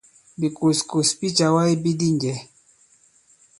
Bìkòskòs bi càwa ibi di njɛ̌.